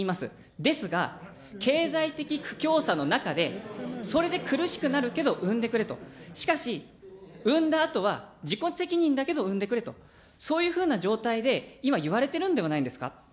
ですが、経済的苦境さの中で、それで苦しくなるけど、産んでくれと、しかし、産んだあとは自己責任だけど産んでくれと、そういうふうな状態で、今言われているんではないですか。